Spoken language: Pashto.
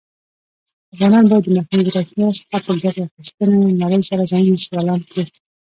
افغانان بايد د مصنوعى ځيرکتيا څخه په ګټي اخيستنې نړئ سره ځانونه سيالان کړى.